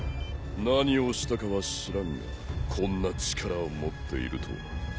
何をしたかは知らんがこんな力を持っているとは。